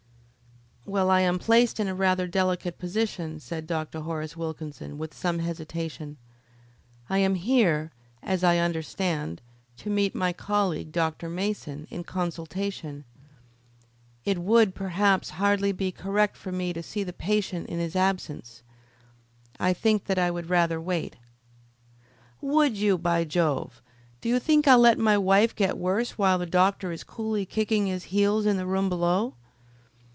"Well, I am placed in a rather delicate position," said Dr. Horace Wilkinson, with some hesitation. "I am here, as I understand, to meet my colleague, Dr. Mason, in consultation. It would, perhaps, hardly be correct for me to see the patient in his absence. I think that I would rather wait." "Would you, by Jove! Do you think I'll let my wife get worse while the doctor is coolly kicking his heels in the room below?